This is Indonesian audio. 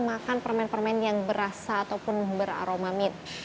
makan permen permen yang berasa ataupun beraroma mit